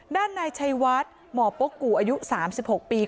ด้านนายชัยวัฒน์หมอโป๊ะกุอายุ๓๖ปี